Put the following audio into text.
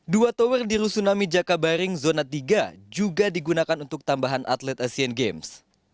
dua tower di rusunami jakabaring zona tiga juga digunakan untuk tambahan atlet asian games